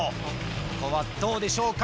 ここはどうでしょうか？